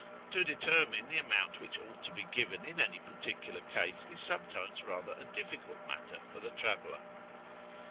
To determine the amount which ought to be given in any particular case is sometimes rather a difficult matter for the traveller.